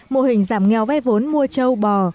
mô hình giảm nghèo vay vốn mua trâu bò